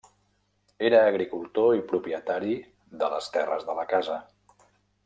Era agricultor i propietari de les terres de la casa.